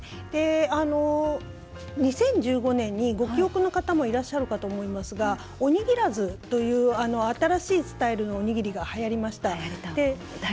２０１５年にご記憶の方もいらっしゃると思いますがおにぎらずという新しいスタイルのおにぎりがはやりました。